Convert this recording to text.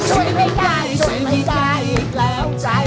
ช่วยไม่ได้ช่วยไม่ได้อีกแล้วใจ